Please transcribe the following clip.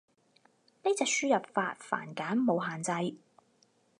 呢隻輸入法繁簡冇限制